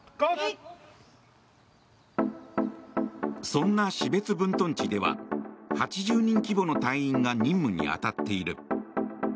そんな標津分屯地では８０人規模の隊員が任務に当たっている。